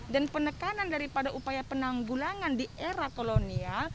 dan penekanan daripada upaya penanggulangan di era kolonial